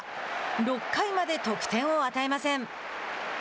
６回まで得点を与えません。